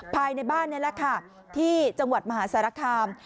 ภายในบ้านนี่แหละค่ะที่จังหวัดมหาสารคาม